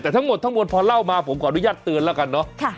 แต่ทั้งหมดทั้งมวลพอเล่ามาผมขออนุญาตเตือนแล้วกันเนอะ